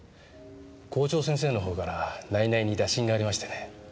校長先生のほうから内々に打診がありましてね。